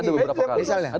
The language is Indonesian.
ada beberapa kali